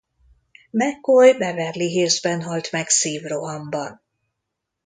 McCoy Beverly Hillsben halt meg szívrohamban.